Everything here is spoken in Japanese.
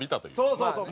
そうそうそう。